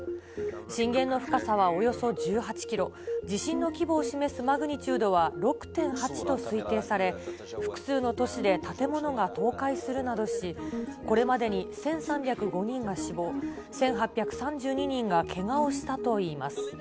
震源の深さはおよそ１８キロ、地震の規模を示すマグニチュードは６．８と推定され、複数の都市で建物が倒壊するなどし、これまでに１３０５人が死亡、１８３２人がけがをしたといいます。